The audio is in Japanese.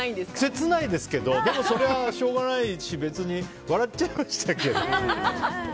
切ないですけどでも、それはしょうがないし別に、笑っちゃいましたけど。